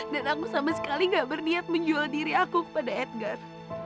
dan aku sama sekali gak berniat menjual diri aku kepada edgar